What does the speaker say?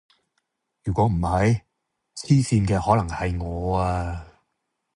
如果唔係，黐線嘅可能係我呀